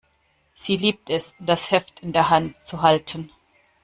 Sie liebt es, das Heft in der Hand zu halten.